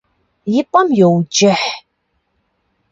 И пӏэм йоуджыхь.